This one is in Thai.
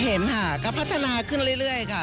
เห็นค่ะก็พัฒนาขึ้นเรื่อยค่ะ